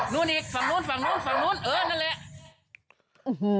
นู้นอีกฝั่งนู้นเออนั่นแหละ